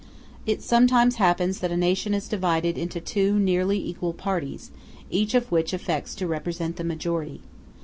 It sometimes happens that a nation is divided into two nearly equal parties, each of which affects to represent the majority.